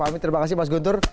amit terima kasih mas guntur